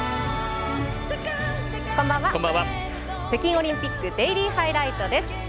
北京オリンピックデイリーハイライトです。